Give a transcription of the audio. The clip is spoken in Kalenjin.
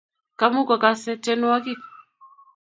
Kamukokase tienwogik